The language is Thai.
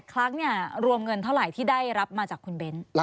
ครั้งเนี่ยรวมเงินเท่าไหร่ที่ได้รับมาจากคุณเบ้น